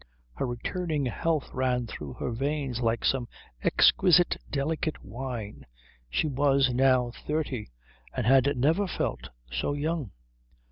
Her returning health ran through her veins like some exquisite delicate wine. She was now thirty, and had never felt so young.